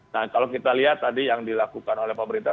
nah kalau kita lihat tadi yang dilakukan oleh pemerintah